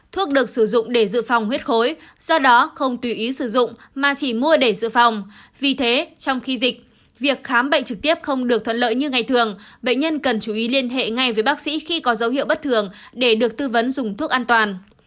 thuốc được sử dụng để dự phòng huyết khối do đó không tùy ý sử dụng mà chỉ mua để dự phòng vì thế trong khi dịch việc khám bệnh trực tiếp không được thuận lợi như ngày thường bệnh nhân cần chú ý liên hệ ngay với bác sĩ khi có dấu hiệu bất thường để được tư vấn dùng thuốc an toàn